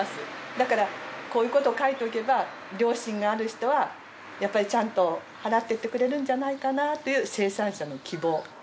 だからこういうことを書いておけば良心がある人はやっぱりちゃんと払っていってくれるんじゃないかなという生産者の希望。